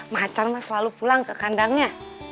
macan mas selalu pulang ke kandangnya